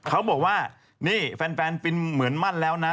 เขาบอกว่านี่แฟนฟินเหมือนมั่นแล้วนะ